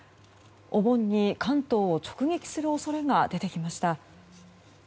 お盆に関東を直撃する恐れが出てきました。